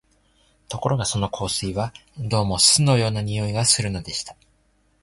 ところがその香水は、どうも酢のような匂いがするのでした